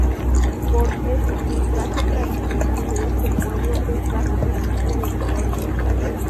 Por eso, el traje tradicional de este pueblo es básicamente de color negro.